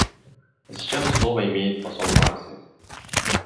А сейчас слово имеет посол Франции.